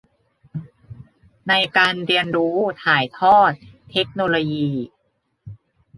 ในการเรียนรู้ถ่ายทอดเทคโนโลยี